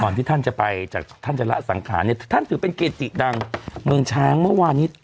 ที่ท่านจะไปจากท่านจะละสังขารเนี่ยท่านถือเป็นเกจิดังเมืองช้างเมื่อวานนี้